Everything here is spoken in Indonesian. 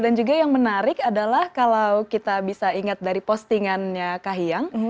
dan juga yang menarik adalah kalau kita bisa ingat dari postingannya kahiyang